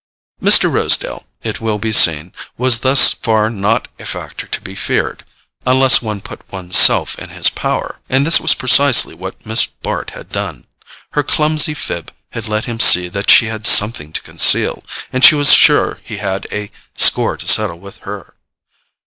Mr. Rosedale, it will be seen, was thus far not a factor to be feared—unless one put one's self in his power. And this was precisely what Miss Bart had done. Her clumsy fib had let him see that she had something to conceal; and she was sure he had a score to settle with her.